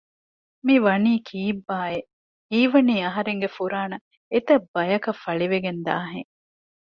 މިވަނީ ކީއްބާއެވެ؟ ހީވަނީ އަހަރެންގެ ފުރާނަ އެތައް ބަޔަކަށް ފަޅިވެގެންދާ ހެން